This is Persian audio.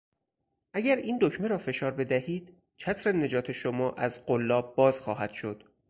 اگر این دکمه را فشار بدهید چتر نجات شما از قلاب باز خواهد شد.